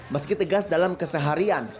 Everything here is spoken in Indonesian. meski tegas dalam keseharian